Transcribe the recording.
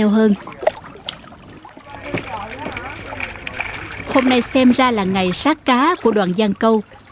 hôm nay xem ra là ngày sát cá của đoàn giang câu